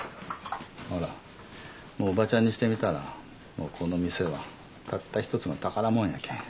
ほらもうおばちゃんにしてみたらもうこの店はたった一つの宝物やけ。